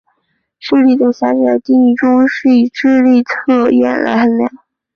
智力在狭窄的定义中是以智力测验来衡量。